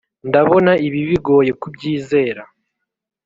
ndabona ibi bigoye kubyizera.